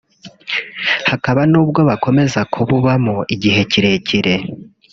hakaba nubwo bakomeza kububamo igihe kirekire